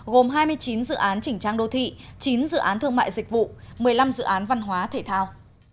gồm hai mươi chín dự án chỉnh trang đô thị chín dự án thương mại dịch vụ một mươi năm dự án văn hóa thể thao